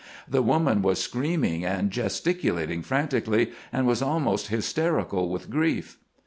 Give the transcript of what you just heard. The woman was screaming and gesticulating frantically, and was almost hysterical with grief.